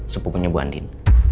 sepupunya bu andin